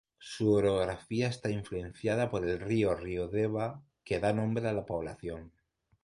Su orografía está influenciada por el río Riodeva, que da nombre a la población.